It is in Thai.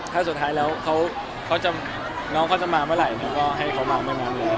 ถ้าสุดท้ายแล้วน้องเขาจะมาเมื่อไหร่ก็ให้เขามาเมื่อนั้นเลย